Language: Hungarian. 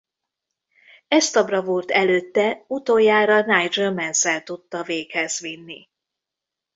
Ezt a bravúrt előtte utoljára Nigel Mansell tudta véghezvinni.